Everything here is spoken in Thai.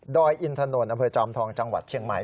อินถนนอำเภอจอมทองจังหวัดเชียงใหม่